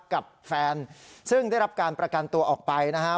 กับแฟนซึ่งได้รับการประกันตัวออกไปนะฮะ